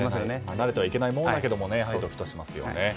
慣れてはいけないものなのでドキッとしますよね。